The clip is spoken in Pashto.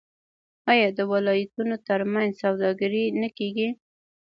آیا د ولایتونو ترمنځ سوداګري نه کیږي؟